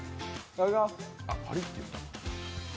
パリッといった。